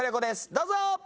どうぞ！